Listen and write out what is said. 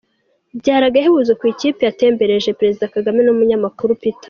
Byari agahebuzo ku ikipe yatembereje Perezida Kagame n'umunyamakuru Peter.